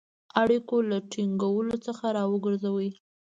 اړیکو له ټینګولو څخه را وګرځوی.